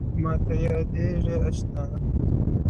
مـاتــه يــاديـــده اشـــــنـــا ـ